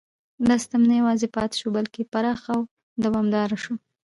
دا سیستم نه یوازې پاتې شو بلکې پراخ او دوامداره شو.